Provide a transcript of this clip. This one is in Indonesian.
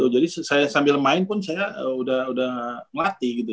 jadi saya sambil main pun saya udah ngelatih gitu